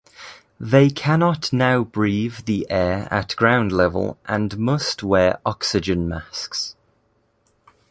They cannot now breathe the air at ground level and must wear oxygen masks.